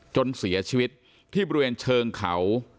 จนเสียชีวิตที่บริเวณเชิงเขา